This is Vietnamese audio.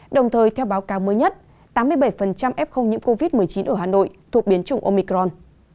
đồng thời theo báo cáo mới nhất tám mươi bảy f nhiễm covid một mươi chín ở hà nội thuộc biến chủng omicron